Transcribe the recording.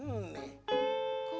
hmm gue gak tau